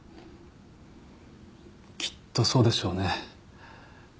きっとそうでしょうね。